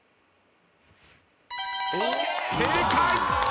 正解！